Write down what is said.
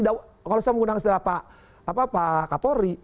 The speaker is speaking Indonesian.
kalau saya menggunakan istilah pak kapolri